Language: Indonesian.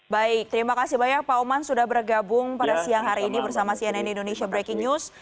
baik terima kasih banyak pak oman sudah bergabung pada siang hari ini bersama cnn indonesia breaking news